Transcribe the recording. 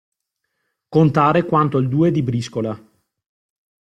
Contare quanto il due di briscola.